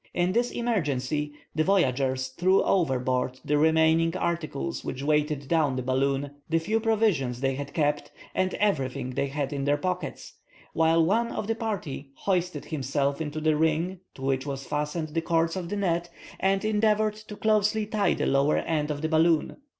In this emergency the voyagers threw overboard the remaining articles which weighed down the balloon, the few provisions they had kept, and everything they had in their pockets, while one of the party hoisted himself into the ring to which was fastened the cords of the net, and endeavored to closely tie the lower end of the balloon.